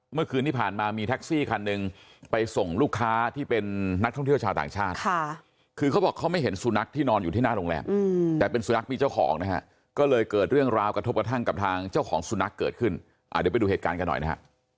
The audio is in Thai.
เมื่อคืนที่ผ่านมามีแท็กซี่คันหนึ่งไปส่งลูกค้าที่เป็นนักท่องเที่ยวชาวต่างชาติค่ะคือเขาบอกเขาไม่เห็นสุนัขที่นอนอยู่ที่หน้าโรงแรมแต่เป็นสุนัขมีเจ้าของนะฮะก็เลยเกิดเรื่องราวกระทบกระทั่งกับทางเจ้าของสุนัขเกิดขึ้นเดี๋ยวไปดูเหตุการณ์กันหน่อยนะฮะ